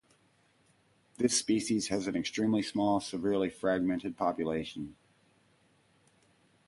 This species has an extremely small, severely fragmented population.